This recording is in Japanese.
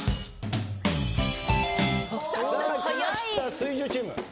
水１０チーム。